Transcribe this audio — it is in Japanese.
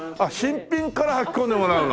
新品からはき込んでもらうの。